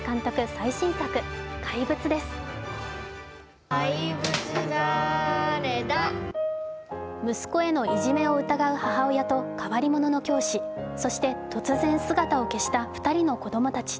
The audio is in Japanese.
最新作「怪物」です。息子へのいじめを疑う母親と変わり者の教師、そして突然、姿を消した２人の子供たち。